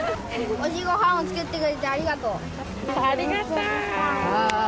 おいしいごはんを作ってくれありがとう。